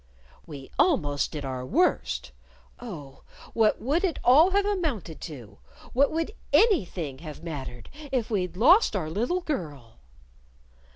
"We almost did our worst! Oh, what would it all have amounted to what would anything have mattered if we'd lost our little girl!"